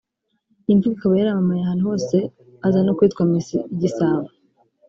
Iyi mvugo ikaba yaramamaye ahantu hose aza no kwitwa Miss Igisabo